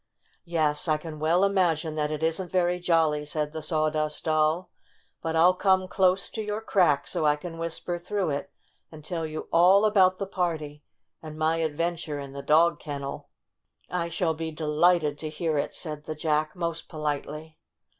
"Yes, I can well imagine that it isn't very j oily, '' said the Sawdust Doll. 4 4 But I'll come close to your crack so I can whis per through it, and tell you all about the IN THE RAG BAG 81 party and my adventure in the dog ken nel" "I shall be delighted to hear it," said the Jack, most politely.